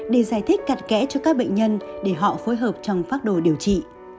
để giải thích cặt kẽ cho các bệnh nhân để họ phối hợp trong phác đồ điều trị